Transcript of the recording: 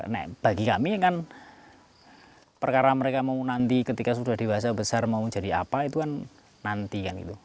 nah bagi kami kan perkara mereka mau nanti ketika sudah dewasa besar mau jadi apa itu kan nanti kan gitu